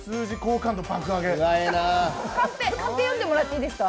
カンペ読んでもらっていいですか。